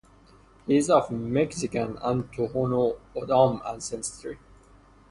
He is of Mexican and Tohono O’odham ancestry.